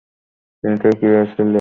তিনি তার ক্রীড়াশৈলী ধরে রাখতে পারেননি।